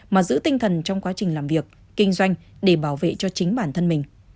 mà giữ tinh thần trong quá trình làm việc kinh doanh để bảo vệ cho chính bản thân mình